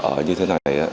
ở như thế này